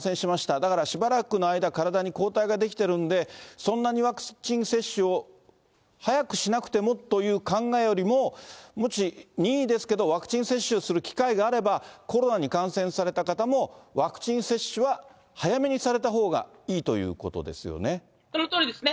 だからしばらくの間、体に抗体が出来てるんで、そんなにワクチン接種を早くしなくてもという考えよりも、もし任意ですけど、ワクチン接種する機会があれば、コロナに感染された方もワクチン接種は早めにされたほうがいいとそのとおりですね。